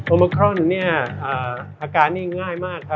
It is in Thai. โอเมครอนอาการนี้ง่ายมาก